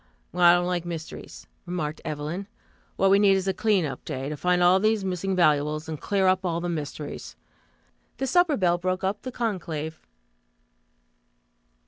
"Well, I don't like mysteries," remarked Evelyn. "What we need is a clean up day, to find all these missing valuables, and clear up all the mysteries." The supper bell broke up the conclave.